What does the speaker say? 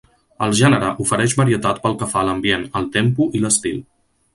El gènere ofereix varietat pel que fa a l'ambient, el tempo i l'estil.